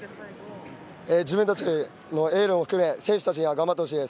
自分達のエールを含め選手たちには頑張ってほしいです。